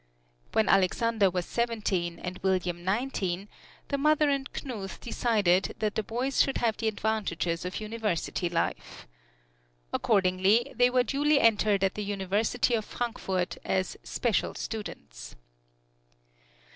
When Alexander was seventeen and William nineteen, the mother and Knuth decided that the boys should have the advantages of university life. Accordingly they were duly entered at the University of Frankfort as "special students."